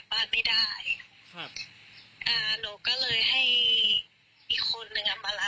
หนูมีปัญหากับคนรู้จักที่อยุธยาค่ะเดี๋ยวนี้หนูกลับบ้านไม่ได้